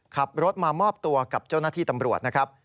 ขับรถมามอบตัวกับเจ้าหน้าที่ตำรวจนะครับ